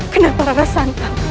kenapa rana santan